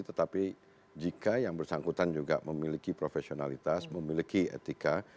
tetapi jika yang bersangkutan juga memiliki profesionalitas memiliki etika